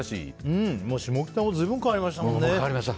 下北は随分変わりましたもんね。